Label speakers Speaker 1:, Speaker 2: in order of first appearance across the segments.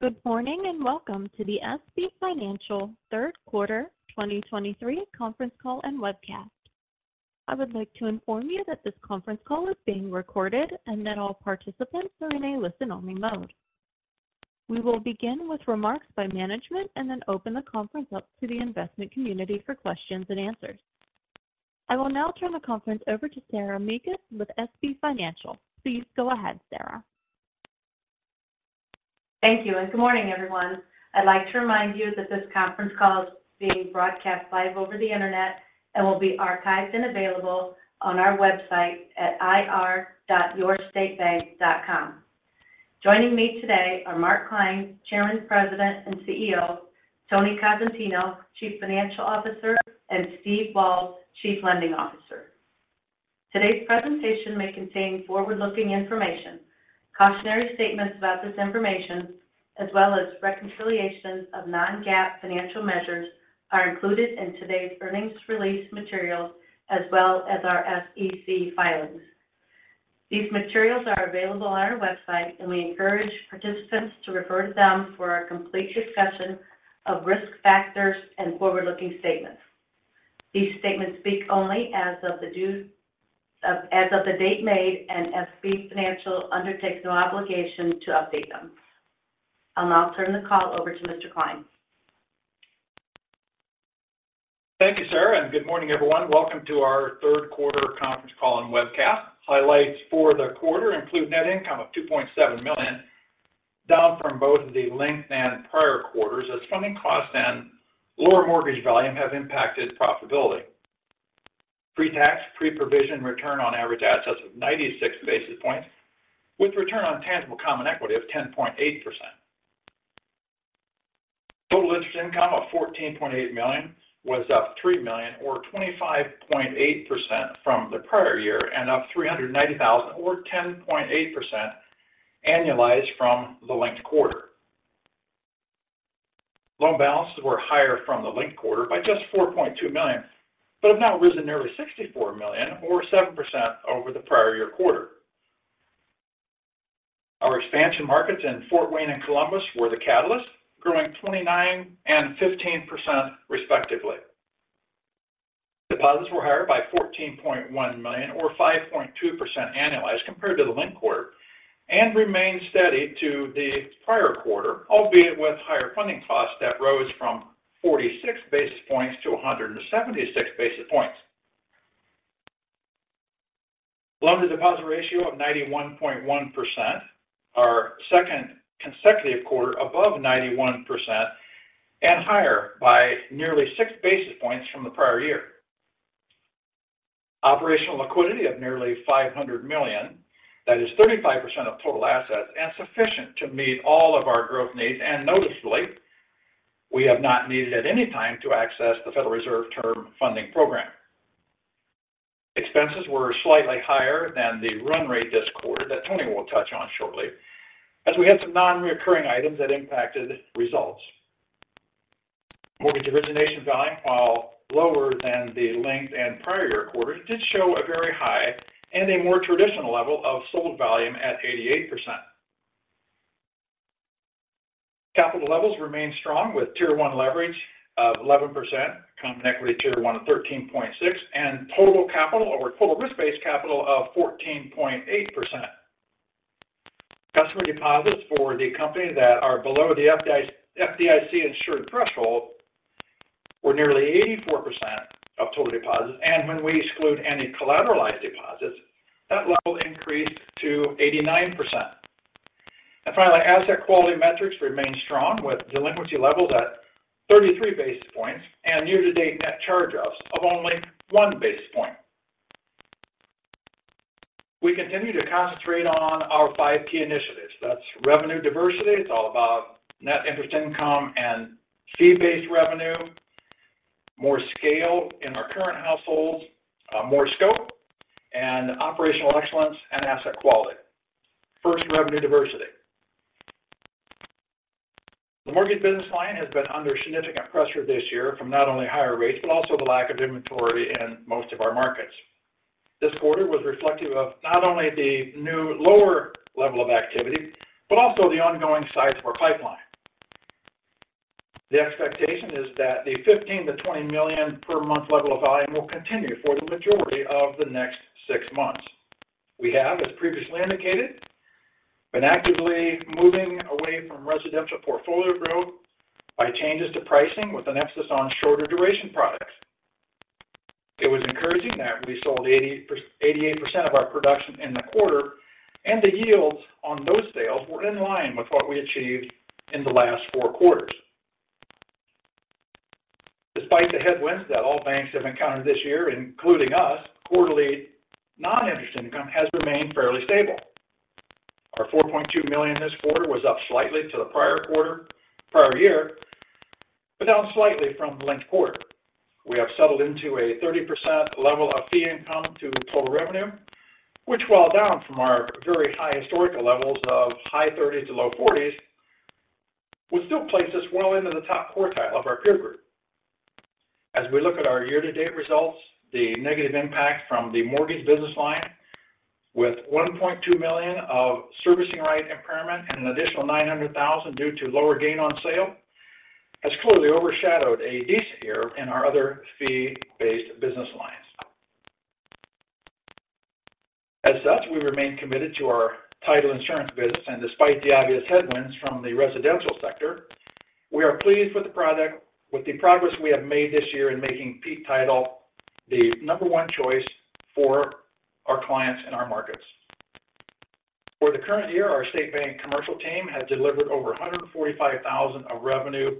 Speaker 1: Good morning, and welcome to the SB Financial third quarter 2023 conference call and webcast. I would like to inform you that this conference call is being recorded and that all participants are in a listen-only mode. We will begin with remarks by management and then open the conference up to the investment community for questions and answers. I will now turn the conference over to Sarah Mekus with SB Financial. Please go ahead, Sarah.
Speaker 2: Thank you, and good morning, everyone. I'd like to remind you that this conference call is being broadcast live over the internet and will be archived and available on our website at ir.yourstatebank.com. Joining me today are Mark Klein, Chairman, President, and CEO, Tony Cosentino, Chief Financial Officer, and Steve Walz, Chief Lending Officer. Today's presentation may contain forward-looking information. Cautionary statements about this information, as well as reconciliation of non-GAAP financial measures, are included in today's earnings release materials, as well as our SEC filings. These materials are available on our website, and we encourage participants to refer to them for a complete discussion of risk factors and forward-looking statements. These statements speak only as of the date made, and SB Financial undertakes no obligation to update them. I'll now turn the call over to Mr. Klein.
Speaker 3: Thank you, Sarah, and good morning, everyone. Welcome to our third quarter conference call and webcast. Highlights for the quarter include net income of $2.7 million, down from both the linked and prior quarters as funding costs and lower mortgage volume have impacted profitability. Pre-tax, pre-provision return on average assets of 96 basis points, with return on tangible common equity of 10.8%. Total interest income of $14.8 million was up $3 million, or 25.8% from the prior year, and up $390,000, or 10.8% annualized from the linked quarter. Loan balances were higher from the linked quarter by just $4.2 million, but have now risen nearly $64 million or 7% over the prior year quarter. Our expansion markets in Fort Wayne and Columbus were the catalyst, growing 29% and 15%, respectively. Deposits were higher by $14.1 million, or 5.2% annualized compared to the linked quarter and remained steady to the prior quarter, albeit with higher funding costs that rose from 46 basis points to 176 basis points. Loan-to-deposit ratio of 91.1%, our second consecutive quarter above 91% and higher by nearly 6 basis points from the prior year. Operational liquidity of nearly $500 million, that is 35% of total assets, and sufficient to meet all of our growth needs, and noticeably, we have not needed at any time to access the Federal Reserve Term Funding Program. Expenses were slightly higher than the run rate this quarter that Tony will touch on shortly, as we had some non-recurring items that impacted results. Mortgage origination volume, while lower than the linked and prior year quarters, did show a very high and a more traditional level of sold volume at 88%. Capital levels remain strong, with Tier 1 leverage of 11%, common equity Tier 1 of 13.6, and total capital or total risk-based capital of 14.8%. Customer deposits for the company that are below the FDIC insured threshold were nearly 84% of total deposits, and when we exclude any collateralized deposits, that level increased to 89%. Finally, asset quality metrics remain strong, with delinquency levels at 33 basis points and year-to-date net charge-offs of only 1 basis point. We continue to concentrate on our five key initiatives. That's revenue diversity. It's all about net interest income and fee-based revenue, more scale in our current households, more scope, and operational excellence and asset quality. First, revenue diversity. The mortgage business line has been under significant pressure this year from not only higher rates, but also the lack of inventory in most of our markets. This quarter was reflective of not only the new lower level of activity, but also the ongoing size of our pipeline. The expectation is that the $15 million-$20 million per month level of volume will continue for the majority of the next six months. We have, as previously indicated, been actively moving away from residential portfolio growth by changes to pricing with an emphasis on shorter duration products. It was encouraging that we sold 88% of our production in the quarter, and the yields on those sales were in line with what we achieved in the last four quarters. Despite the headwinds that all banks have encountered this year, including us, quarterly non-interest income has remained fairly stable. Our $4.2 million this quarter was up slightly to the prior quarter, prior year, but down slightly from the linked quarter. We have settled into a 30% level of fee income to total revenue, which while down from our very high historical levels of high 30s%-low 40s%, would still place us well into the top quartile of our peer group. As we look at our year-to-date results, the negative impact from the mortgage business line with $1.2 million of servicing right impairment and an additional $900,000 due to lower gain on sale, has clearly overshadowed a decent year in our other fee-based business lines. As such, we remain committed to our title insurance business, and despite the obvious headwinds from the residential sector, we are pleased with the progress we have made this year in making Peak Title the number one choice for our clients and our markets. For the current year, our State Bank commercial team has delivered over $145,000 of revenue,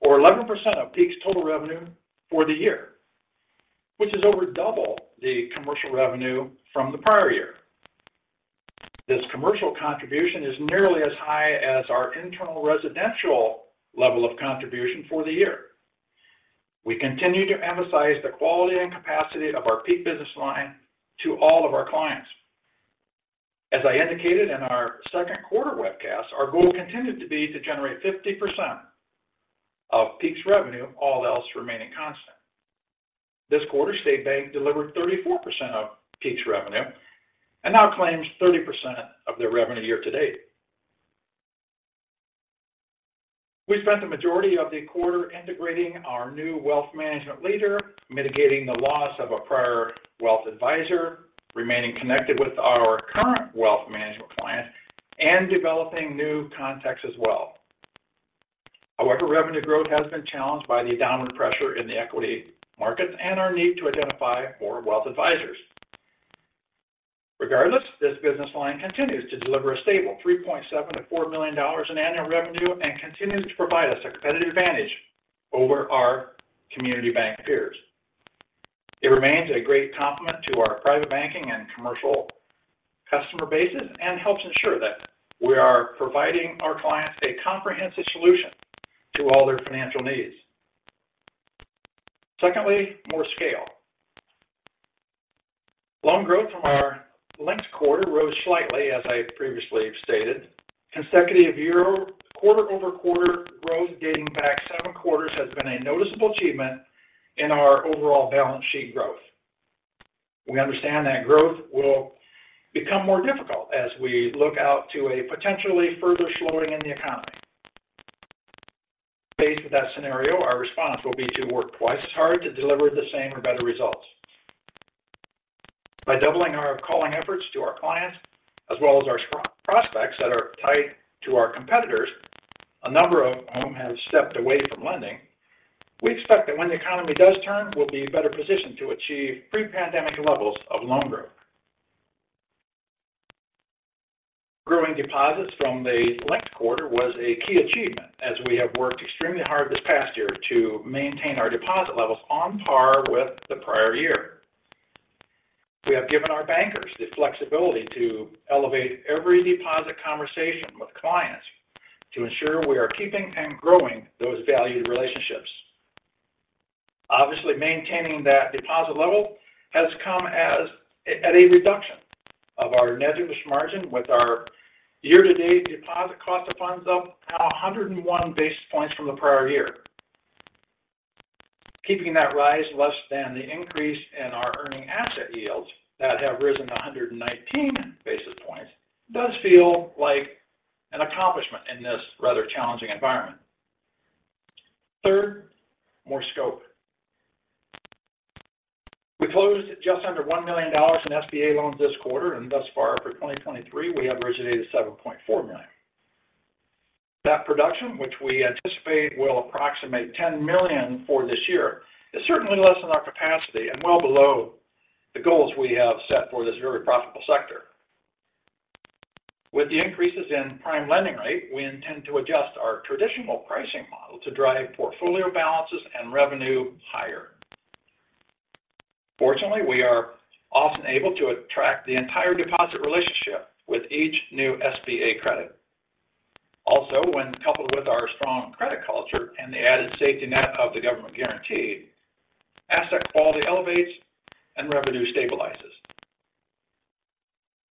Speaker 3: or 11% of Peak's total revenue for the year, which is over double the commercial revenue from the prior year. This commercial contribution is nearly as high as our internal residential level of contribution for the year. We continue to emphasize the quality and capacity of our Peak business line to all of our clients. As I indicated in our second quarter webcast, our goal continued to be to generate 50% of Peak's revenue, all else remaining constant. This quarter, State Bank delivered 34% of Peak's revenue and now claims 30% of their revenue year-to-date. We spent the majority of the quarter integrating our new wealth management leader, mitigating the loss of a prior wealth advisor, remaining connected with our current wealth management clients, and developing new contacts as well. However, revenue growth has been challenged by the downward pressure in the equity markets and our need to identify more wealth advisors. Regardless, this business line continues to deliver a stable $3.7 million-$4 million in annual revenue and continues to provide us a competitive advantage over our community bank peers. It remains a great complement to our private banking and commercial customer bases and helps ensure that we are providing our clients a comprehensive solution to all their financial needs. Secondly, more scale. Loan growth from our linked quarter rose slightly, as I previously stated. Consecutive quarter-over-quarter growth dating back seven quarters has been a noticeable achievement in our overall balance sheet growth. We understand that growth will become more difficult as we look out to a potentially further slowing in the economy. Faced with that scenario, our response will be to work twice as hard to deliver the same or better results. By doubling our calling efforts to our clients, as well as our prospects that are tied to our competitors, a number of whom have stepped away from lending, we expect that when the economy does turn, we'll be better positioned to achieve pre-pandemic levels of loan growth. Growing deposits from the linked quarter was a key achievement, as we have worked extremely hard this past year to maintain our deposit levels on par with the prior year. We have given our bankers the flexibility to elevate every deposit conversation with clients to ensure we are keeping and growing those valued relationships. Obviously, maintaining that deposit level has come at a reduction of our net interest margin, with our year-to-date deposit cost of funds up 101 basis points from the prior year. Keeping that rise less than the increase in our earning asset yields that have risen 119 basis points, does feel like an accomplishment in this rather challenging environment. Third, more scope. We closed just under $1 million in SBA loans this quarter, and thus far for 2023, we have originated $7.4 million. That production, which we anticipate will approximate $10 million for this year, is certainly less than our capacity and well below the goals we have set for this very profitable sector. With the increases in prime lending rate, we intend to adjust our traditional pricing model to drive portfolio balances and revenue higher. Fortunately, we are often able to attract the entire deposit relationship with each new SBA credit. Also, when coupled with our strong credit culture and the added safety net of the government guarantee, asset quality elevates and revenue stabilizes.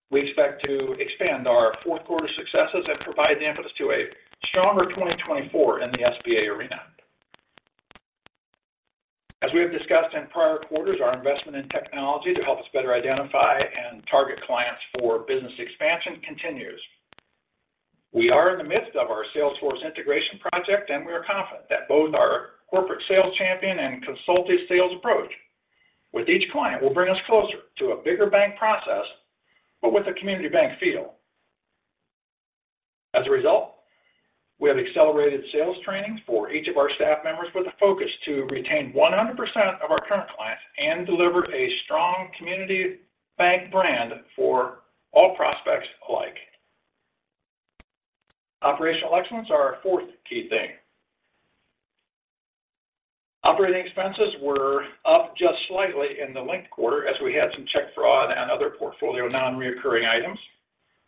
Speaker 3: We expect to expand our fourth quarter successes and provide the emphasis to a stronger 2024 in the SBA arena. As we have discussed in prior quarters, our investment in technology to help us better identify and target clients for business expansion continues. We are in the midst of our Salesforce integration project, and we are confident that both our corporate sales champion and consulted sales approach with each client will bring us closer to a bigger bank process, but with a community bank feel. As a result, we have accelerated sales training for each of our staff members with a focus to retain 100% of our current clients and deliver a strong community bank brand for all prospects alike. Operational excellence are our fourth key thing. Operating expenses were up just slightly in the linked quarter as we had some check fraud and other portfolio non-recurring items.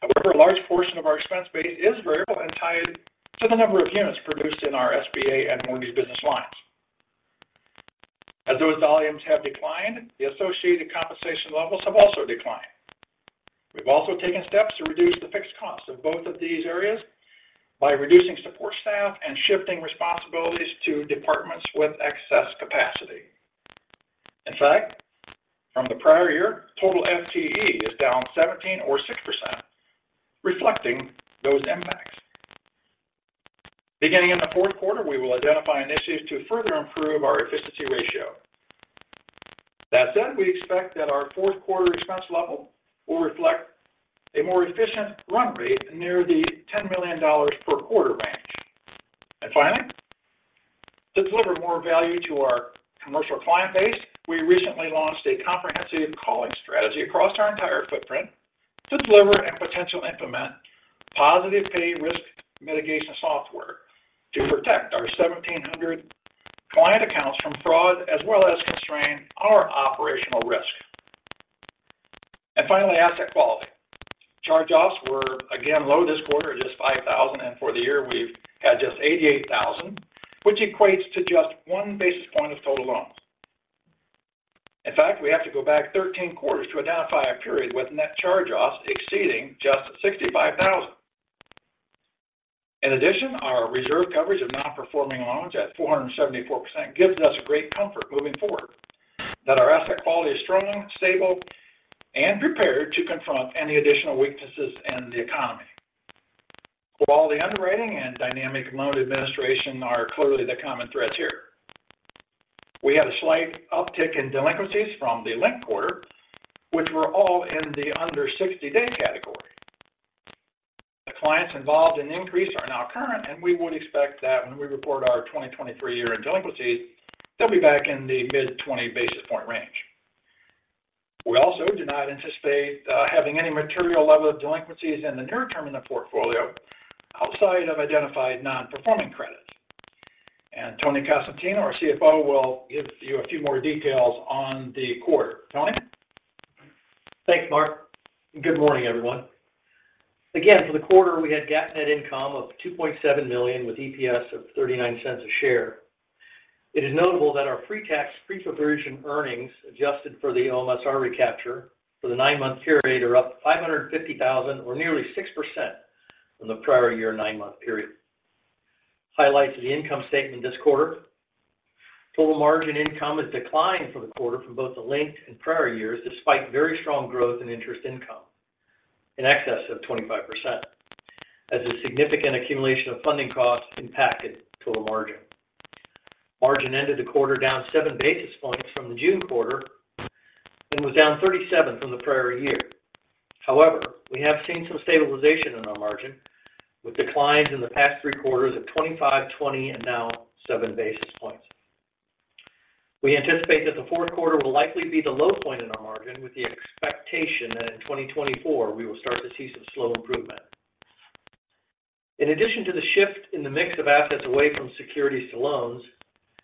Speaker 3: However, a large portion of our expense base is variable and tied to the number of units produced in our SBA and mortgage business lines. As those volumes have declined, the associated compensation levels have also declined. We've also taken steps to reduce the fixed costs of both of these areas by reducing support staff and shifting responsibilities to departments with excess capacity. In fact, from the prior year, total FTE is down 17, or 6%, reflecting those impacts. Beginning in the fourth quarter, we will identify initiatives to further improve our efficiency ratio. That said, we expect that our fourth quarter expense level will reflect a more efficient run rate near the $10 million per quarter range. And finally, to deliver more value to our commercial client base, we recently launched a comprehensive calling strategy across our entire footprint to deliver and potentially implement positive pay risk mitigation software to protect our 1,700 client accounts from fraud, as well as constrain our operational risk. Finally, asset quality. Charge-offs were again low this quarter at just $5,000, and for the year, we've had just $88,000, which equates to just 1 basis point of total loans. In fact, we have to go back 13 quarters to identify a period with net charge-offs exceeding just $65,000. In addition, our reserve coverage of non-performing loans at 474% gives us great comfort moving forward, that our asset quality is strong, stable, and prepared to confront any additional weaknesses in the economy. Quality underwriting and dynamic loan administration are clearly the common threads here. We had a slight uptick in delinquencies from the linked quarter, which were all in the under 60-day category. The clients involved in the increase are now current, and we would expect that when we report our 2023 year-end delinquencies, they'll be back in the mid-20 basis point range. We also do not anticipate having any material level of delinquencies in the near term in the portfolio outside of identified non-performing credits. And Tony Cosentino, our CFO, will give you a few more details on the quarter. Tony?
Speaker 4: Thanks, Mark. Good morning, everyone. Again, for the quarter, we had GAAP net income of $2.7 million, with EPS of $0.39 a share. It is notable that our pre-tax, pre-provision earnings, adjusted for the OMSR recapture for the nine-month period, are up $550,000 or nearly 6% from the prior year nine-month period. Highlights of the income statement this quarter. Total margin income has declined for the quarter from both the linked and prior years, despite very strong growth in interest income in excess of 25%, as a significant accumulation of funding costs impacted total margin. Margin ended the quarter down 7 basis points from the June quarter and was down 37 from the prior year. However, we have seen some stabilization in our margin, with declines in the past three quarters of 25, 20, and now 7 basis points. We anticipate that the fourth quarter will likely be the low point in our margin, with the expectation that in 2024, we will start to see some slow improvement. In addition to the shift in the mix of assets away from securities to loans,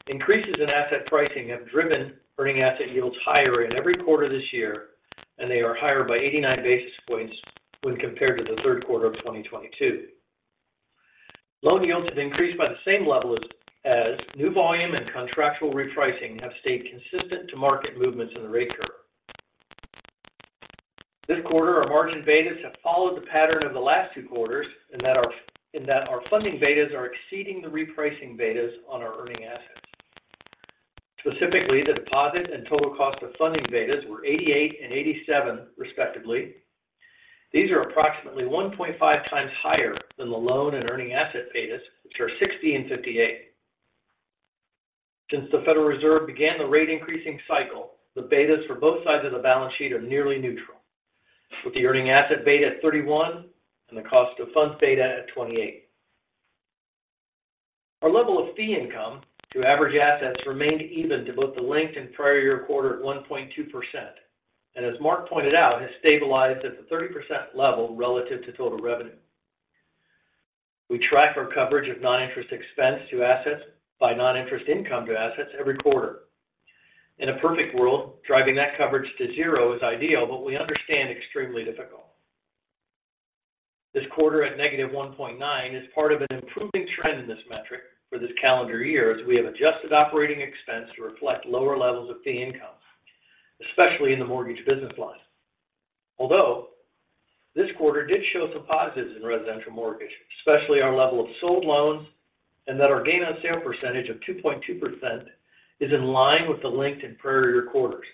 Speaker 4: increases in asset pricing have driven earning asset yields higher in every quarter this year, and they are higher by 89 basis points when compared to the third quarter of 2022. Loan yields have increased by the same level as new volume and contractual repricing have stayed consistent to market movements in the rate curve. This quarter, our margin betas have followed the pattern of the last two quarters, and that our funding betas are exceeding the repricing betas on our earning assets. Specifically, the deposit and total cost of funding betas were 88 and 87, respectively. These are approximately 1.5x higher than the loan and earning asset betas, which are 60 and 58. Since the Federal Reserve began the rate increasing cycle, the betas for both sides of the balance sheet are nearly neutral, with the earning asset beta at 31 and the cost of funds beta at 28. Our level of fee income to average assets remained even to both the linked and prior year quarter at 1.2%, and as Mark pointed out, has stabilized at the 30% level relative to total revenue. We track our coverage of non-interest expense to assets by non-interest income to assets every quarter. In a perfect world, driving that coverage to zero is ideal, but we understand extremely difficult. This quarter, at -1.9, is part of an improving trend in this metric for this calendar year, as we have adjusted operating expense to reflect lower levels of fee income, especially in the mortgage business line. Although, this quarter did show some positives in residential mortgage, especially our level of sold loans, and that our gain on sale percentage of 2.2% is in line with the linked and prior year quarters.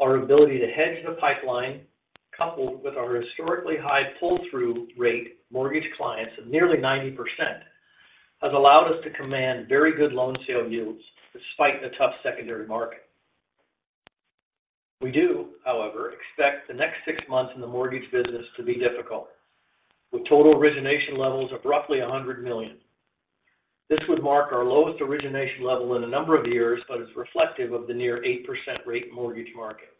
Speaker 4: Our ability to hedge the pipeline, coupled with our historically high pull-through rate mortgage clients of nearly 90%, has allowed us to command very good loan sale yields despite the tough secondary market. We do, however, expect the next six months in the mortgage business to be difficult, with total origination levels of roughly $100 million. This would mark our lowest origination level in a number of years, but it's reflective of the near 8% rate mortgage market.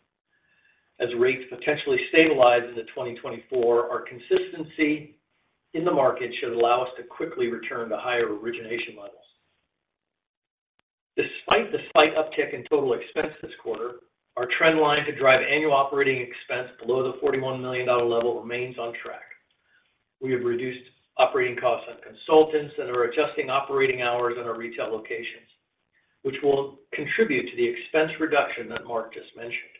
Speaker 4: As rates potentially stabilize into 2024, our consistency in the market should allow us to quickly return to higher origination levels. Despite the slight uptick in total expense this quarter, our trend line to drive annual operating expense below the $41 million level remains on track. We have reduced operating costs on consultants and are adjusting operating hours in our retail locations, which will contribute to the expense reduction that Mark just mentioned.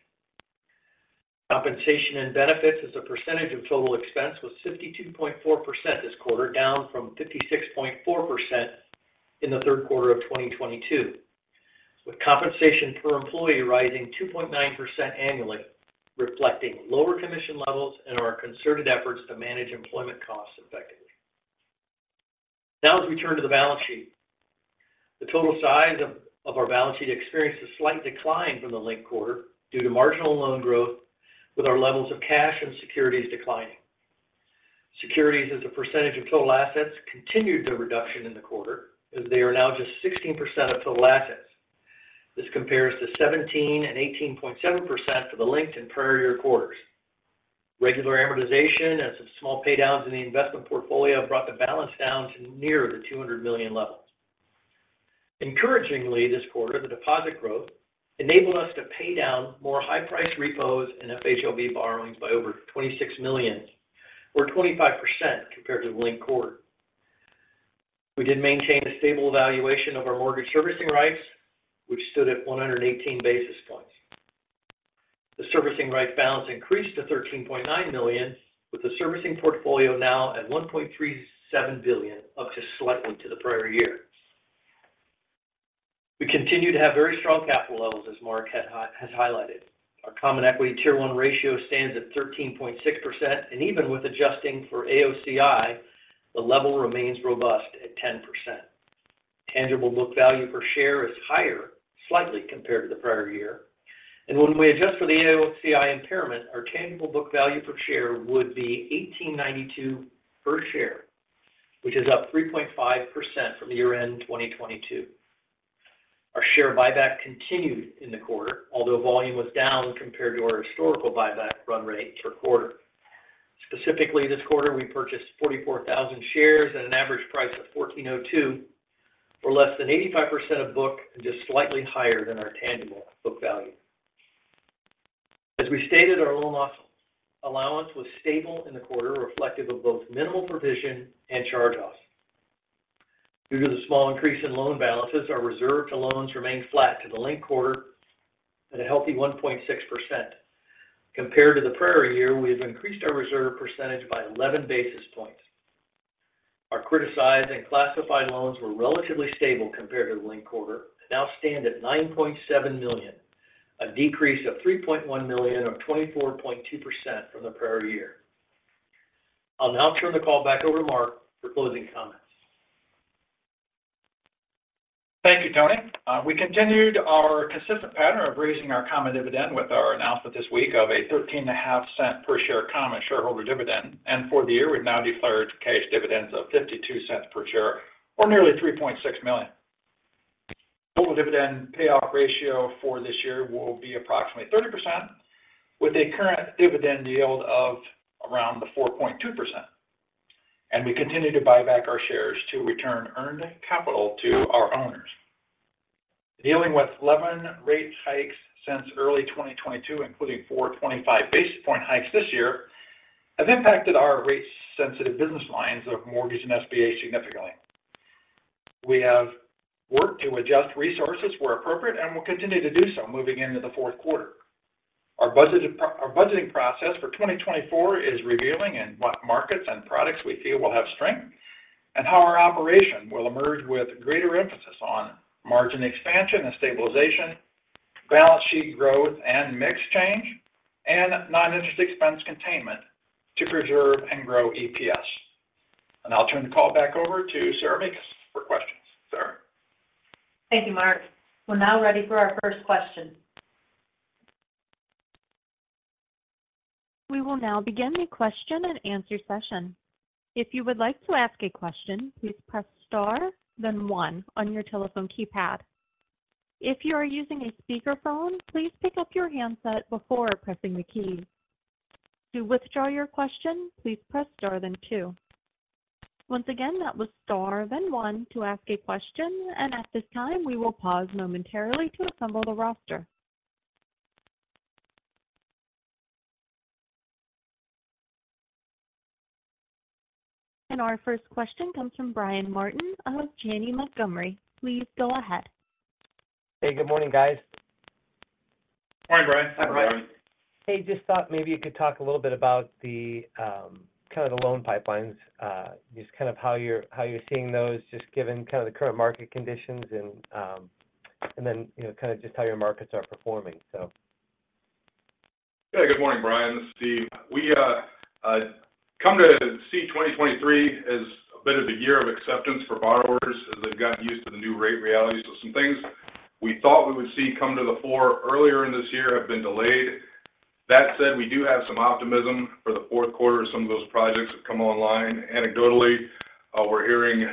Speaker 4: Compensation and benefits as a percentage of total expense was 52.4% this quarter, down from 56.4% in the third quarter of 2022, with compensation per employee rising 2.9% annually, reflecting lower commission levels and our concerted efforts to manage employment costs effectively. Now, let's return to the balance sheet. The total size of our balance sheet experienced a slight decline from the linked quarter due to marginal loan growth, with our levels of cash and securities declining. Securities as a percentage of total assets continued the reduction in the quarter, as they are now just 16% of total assets. This compares to 17% and 18.7% for the linked and prior year quarters. Regular amortization and some small paydowns in the investment portfolio brought the balance down to near the $200 million levels. Encouragingly, this quarter, the deposit growth enabled us to pay down more high-priced repos and FHLB borrowings by over $26 million, or 25% compared to the linked quarter. We did maintain a stable valuation of our Mortgage Servicing Rights, which stood at 118 basis points. The servicing rights balance increased to $13.9 million, with the servicing portfolio now at $1.37 billion, up just slightly to the prior year. We continue to have very strong capital levels, as Mark has highlighted. Our common equity tier one ratio stands at 13.6%, and even with adjusting for AOCI, the level remains robust at 10%. Tangible book value per share is higher, slightly compared to the prior year, and when we adjust for the AOCI impairment, our tangible book value per share would be $18.92 per share, which is up 3.5% from the year-end 2022. Our share buyback continued in the quarter, although volume was down compared to our historical buyback run rate per quarter. Specifically, this quarter, we purchased 44,000 shares at an average price of $14.02, for less than 85% of book, and just slightly higher than our tangible book value. As we stated, our loan loss allowance was stable in the quarter, reflective of both minimal provision and charge-offs. Due to the small increase in loan balances, our reserve to loans remained flat to the linked quarter at a healthy 1.6%. Compared to the prior year, we have increased our reserve percentage by 11 basis points. Our criticized and classified loans were relatively stable compared to the linked quarter, and now stand at $9.7 million, a decrease of $3.1 million, or 24.2% from the prior year. I'll now turn the call back over to Mark for closing comments.
Speaker 3: Thank you, Tony. We continued our consistent pattern of raising our common dividend with our announcement this week of a $0.135 per share common shareholder dividend, and for the year, we've now declared cash dividends of $0.52 per share, or nearly $3.6 million. Total dividend payoff ratio for this year will be approximately 30%, with a current dividend yield of around the 4.2%. We continue to buy back our shares to return earned capital to our owners. Dealing with 11 rate hikes since early 2022, including four 25 basis point hikes this year, have impacted our rate-sensitive business lines of mortgage and SBA significantly. We have worked to adjust resources where appropriate, and will continue to do so moving into the fourth quarter. Our budgeting process for 2024 is revealing in what markets and products we feel will have strength, and how our operation will emerge with greater emphasis on margin expansion and stabilization, balance sheet growth and mix change, and non-interest expense containment to preserve and grow EPS. I'll turn the call back over to Sarah Mekus for questions. Sarah?
Speaker 2: Thank you, Mark. We're now ready for our first question.
Speaker 1: We will now begin the question and answer session. If you would like to ask a question, please press Star, then one on your telephone keypad. If you are using a speakerphone, please pick up your handset before pressing the key. To withdraw your question, please press Star, then two. Once again, that was Star, then one to ask a question, and at this time, we will pause momentarily to assemble the roster. Our first question comes from Brian Martin of Janney Montgomery. Please go ahead.
Speaker 5: Hey, good morning, guys.
Speaker 3: Morning, Brian.
Speaker 4: Hi, Brian.
Speaker 5: Hey, just thought maybe you could talk a little bit about the kind of the loan pipelines, just kind of how you're seeing those, just given kind of the current market conditions, and then, you know, kind of just how your markets are performing so.
Speaker 6: Yeah, good morning, Brian. This is Steve. We come to see 2023 as a bit of a year of acceptance for borrowers as they've gotten used to the new rate reality. So some things we thought we would see come to the fore earlier in this year have been delayed. That said, we do have some optimism for the fourth quarter as some of those projects have come online. Anecdotally, we're hearing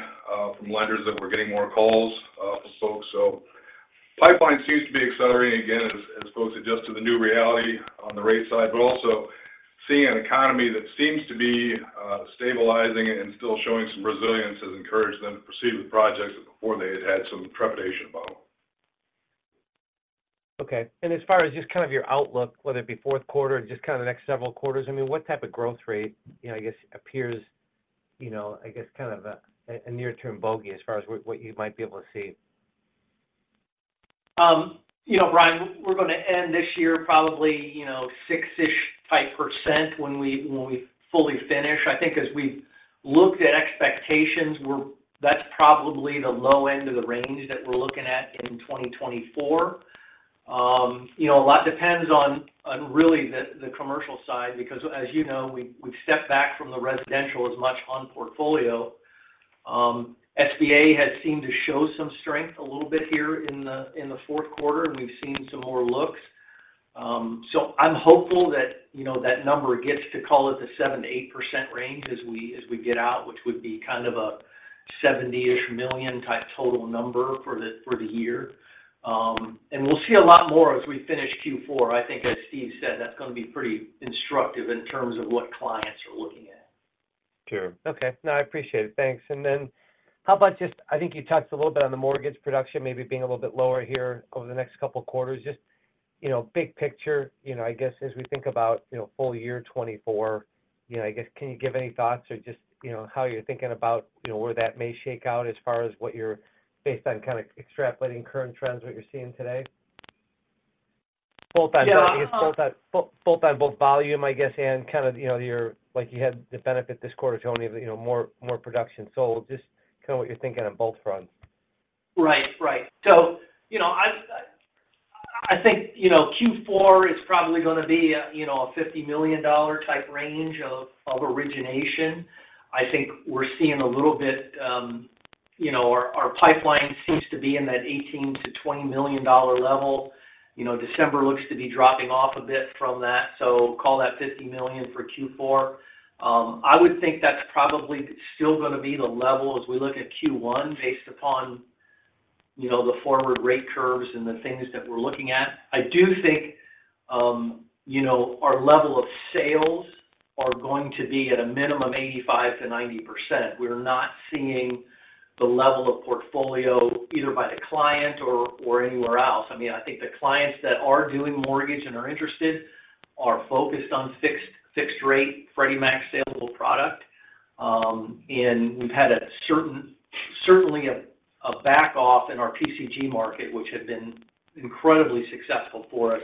Speaker 6: from lenders that we're getting more calls from folks. So pipeline seems to be accelerating again as folks adjust to the new reality on the rate side, but also seeing an economy that seems to be stabilizing and still showing some resilience has encouraged them to proceed with projects that before they had had some trepidation about....
Speaker 5: Okay. And as far as just kind of your outlook, whether it be fourth quarter or just kind of the next several quarters, I mean, what type of growth rate, you know, I guess appears, you know, I guess kind of a near-term bogey as far as what you might be able to see?
Speaker 4: You know, Brian, we're going to end this year probably, you know, 6-ish type % when we, when we fully finish. I think as we've looked at expectations, we're. That's probably the low end of the range that we're looking at in 2024. You know, a lot depends on really the commercial side, because as you know, we've stepped back from the residential as much on portfolio. SBA has seemed to show some strength a little bit here in the fourth quarter, and we've seen some more looks. So I'm hopeful that, you know, that number gets to call it the 7%-8% range as we get out, which would be kind of a $70-ish million type total number for the year. And we'll see a lot more as we finish Q4. I think as Steve said, that's going to be pretty instructive in terms of what clients are looking at.
Speaker 5: Sure. Okay. No, I appreciate it. Thanks. And then how about just, I think you touched a little bit on the mortgage production, maybe being a little bit lower here over the next couple of quarters. Just, you know, big picture, you know, I guess as we think about, you know, full year 2024, you know, I guess, can you give any thoughts or just, you know, how you're thinking about, you know, where that may shake out as far as what you're based on kind of extrapolating current trends, what you're seeing today? Both on-
Speaker 4: Yeah, uh-
Speaker 5: Both on both volume, I guess, and kind of, you know, your—like you had the benefit this quarter, Tony, of, you know, more, more production. So just kind of what you're thinking on both fronts?
Speaker 4: Right. Right. So, you know, I think, you know, Q4 is probably going to be a, you know, a $50 million type range of origination. I think we're seeing a little bit, you know, our pipeline seems to be in that $18 million-$20 million level. You know, December looks to be dropping off a bit from that, so call that $50 million for Q4. I would think that's probably still going to be the level as we look at Q1, based upon, you know, the forward rate curves and the things that we're looking at. I do think, you know, our level of sales are going to be at a minimum, 85%-90%. We're not seeing the level of portfolio either by the client or anywhere else. I mean, I think the clients that are doing mortgage and are interested are focused on fixed, fixed rate Freddie Mac saleable product. And we've had certainly a back off in our PCG market, which had been incredibly successful for us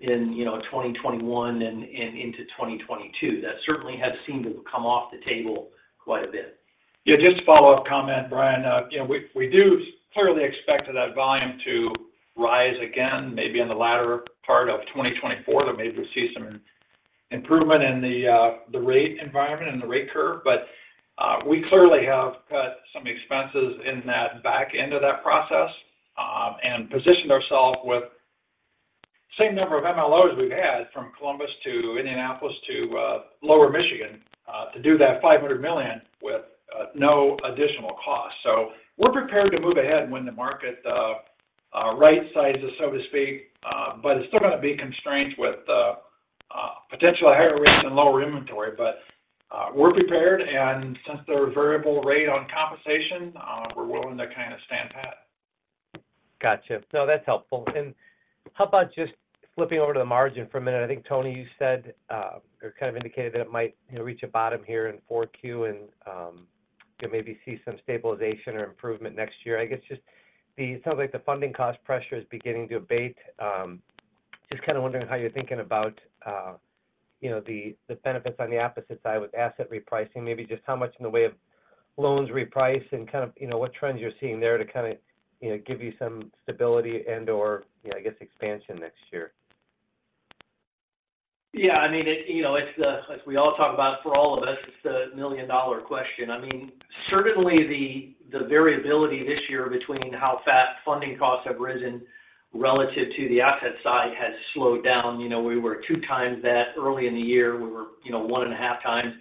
Speaker 4: in, you know, 2021 and into 2022. That certainly has seemed to come off the table quite a bit.
Speaker 3: Yeah, just a follow-up comment, Brian. You know, we, we do clearly expect that volume to rise again, maybe in the latter part of 2024, that maybe we'll see some improvement in the rate environment and the rate curve. But we clearly have cut some expenses in that back end of that process, and positioned ourselves with same number of MLOs we've had from Columbus to Indianapolis to lower Michigan, to do that $500 million with no additional cost. So we're prepared to move ahead when the market right sizes, so to speak, but it's still going to be constrained with potential higher rates and lower inventory. But we're prepared, and since they're a variable rate on compensation, we're willing to kind of stand pat.
Speaker 5: Gotcha. No, that's helpful. And how about just flipping over to the margin for a minute? I think, Tony, you said, or kind of indicated that it might, you know, reach a bottom here in 4Q, and, you maybe see some stabilization or improvement next year. I guess it sounds like the funding cost pressure is beginning to abate. Just kind of wondering how you're thinking about, you know, the, the benefits on the opposite side with asset repricing. Maybe just how much in the way of loans reprice and kind of, you know, what trends you're seeing there to kind of, you know, give you some stability and or, you know, I guess, expansion next year.
Speaker 4: Yeah, I mean, it, you know, it's the as we all talk about for all of us, it's the million-dollar question. I mean, certainly the variability this year between how fast funding costs have risen relative to the asset side has slowed down. You know, we were two times that early in the year, we were, you know, 1.5x.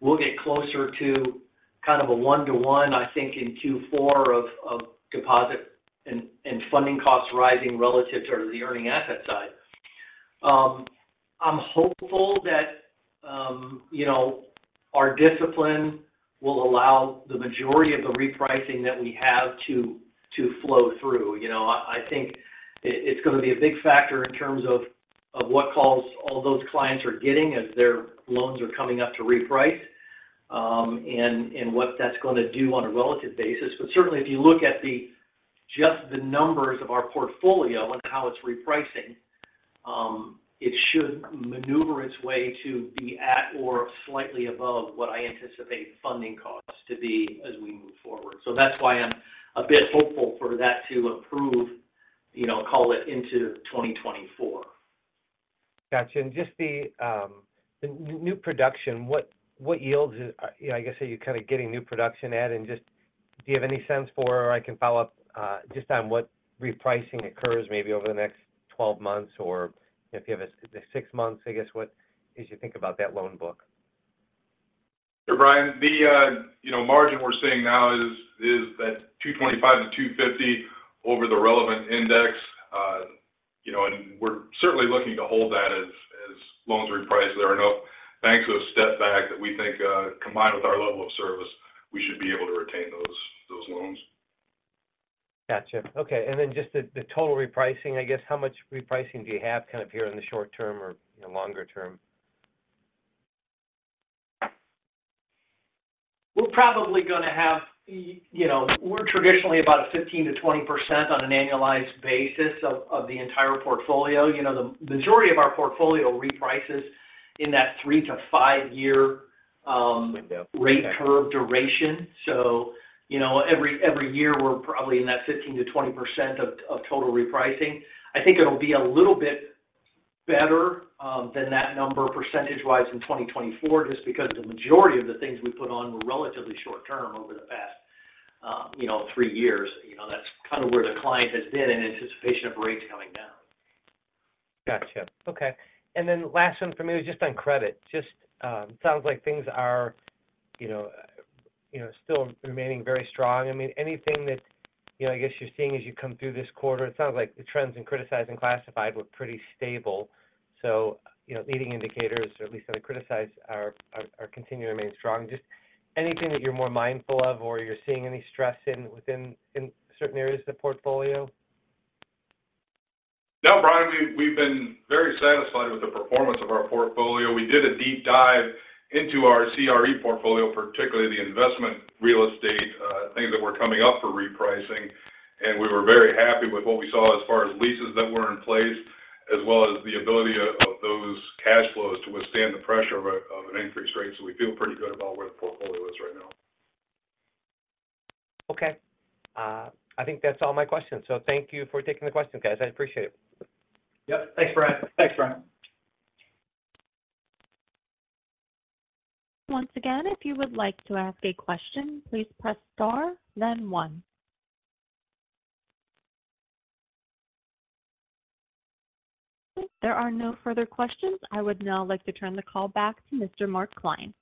Speaker 4: We'll get closer to kind of a one-to-one, I think, in Q4 of deposit and funding costs rising relative to the earning asset side. I'm hopeful that, you know, our discipline will allow the majority of the repricing that we have to flow through. You know, I think it's going to be a big factor in terms of what calls all those clients are getting as their loans are coming up to reprice, and what that's going to do on a relative basis. But certainly, if you look at just the numbers of our portfolio and how it's repricing, it should maneuver its way to be at or slightly above what I anticipate funding costs to be as we move forward. So that's why I'm a bit hopeful for that to improve, you know, call it into 2024.
Speaker 5: Got you. And just the new production, what yields, you know, I guess, are you kind of getting new production at? And just, do you have any sense for, or I can follow up, just on what repricing occurs maybe over the next 12 months, or if you have a six months, I guess, what as you think about that loan book?
Speaker 3: Sure, Brian, you know, the margin we're seeing now is that 225-250 over the relevant index. You know, and we're certainly looking to hold that as-...
Speaker 6: loans repriced, there are no banks have stepped back that we think, combined with our level of service, we should be able to retain those, those loans.
Speaker 5: Gotcha. Okay, and then just the total repricing, I guess, how much repricing do you have kind of here in the short term or in the longer term?
Speaker 4: We're probably going to have, you know, we're traditionally about 15%-20% on an annualized basis of the entire portfolio. You know, the majority of our portfolio reprices in that three to five-year rate curve duration. So, you know, every year, we're probably in that 15%-20% of total repricing. I think it'll be a little bit better than that number, percentage-wise in 2024, just because the majority of the things we put on were relatively short term over the past, you know, three years. You know, that's kind of where the client has been in anticipation of rates coming down.
Speaker 5: Gotcha. Okay. And then last one for me was just on credit. Just sounds like things are, you know, still remaining very strong. I mean, anything that, you know, I guess you're seeing as you come through this quarter, it sounds like the trends in criticized and classified were pretty stable. So, you know, leading indicators, or at least how they criticize are continuing to remain strong. Just anything that you're more mindful of, or you're seeing any stress in certain areas of the portfolio?
Speaker 6: No, Brian, we've been very satisfied with the performance of our portfolio. We did a deep dive into our CRE portfolio, particularly the investment real estate, things that were coming up for repricing, and we were very happy with what we saw as far as leases that were in place, as well as the ability of those cash flows to withstand the pressure of an increased rate. We feel pretty good about where the portfolio is right now.
Speaker 5: Okay. I think that's all my questions. So thank you for taking the questions, guys. I appreciate it.
Speaker 4: Yep. Thanks, Brian.
Speaker 6: Thanks, Brian.
Speaker 1: Once again, if you would like to ask a question, please press Star, then One. If there are no further questions, I would now like to turn the call back to Mr. Mark Klein.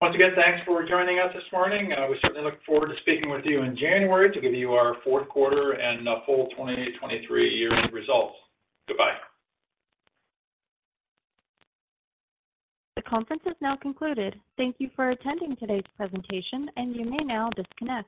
Speaker 3: Once again, thanks for joining us this morning. We certainly look forward to speaking with you in January to give you our fourth quarter and the full 2023 year results. Goodbye.
Speaker 1: The conference is now concluded. Thank you for attending today's presentation, and you may now disconnect.